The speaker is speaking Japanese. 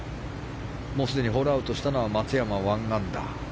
もうすでにホールアウトしたのは松山、１アンダー。